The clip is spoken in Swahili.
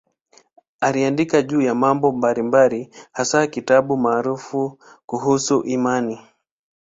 Aliandika juu ya mambo mbalimbali, hasa kitabu maarufu kuhusu imani.